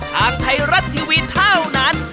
ทางไทยรัฐทีวีเท่านั้น